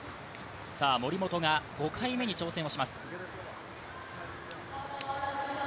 森本が５回目に挑戦をします